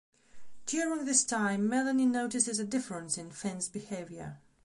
During this time, Melanie notices a difference in Finn's behaviour.